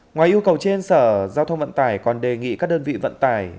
ngoài yêu cầu trên sở giao thông vận tải còn đề nghị các đơn vị vận tải